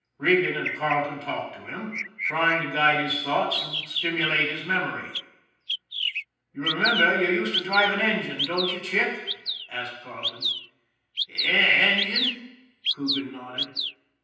Regan and Carleton talked to him, trying to guide his thoughts and stimulate his memory. ' You remember you used to drive an engine, don't you, Chick ?" asked Carleton. " Engine? " Coogan nodded.